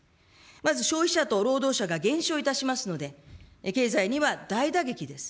まず消費者と労働者が減少いたしますので、経済には大打撃です。